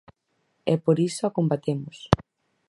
E por iso a combatemos.